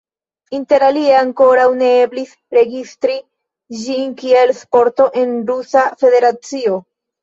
Interalie ankoraŭ ne eblis registri ĝin kiel sporto en Rusa Federacio.